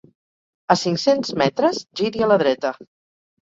A cinc cents metres giri a la dreta